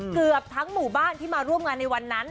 เกือบทั้งหมู่บ้านที่มาร่วมงานในวันนั้น